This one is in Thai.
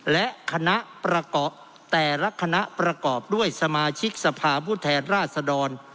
และคณะประกอบแต่ละคณะประกอบด้วยสมาชิกสภาพผู้แทนราชดร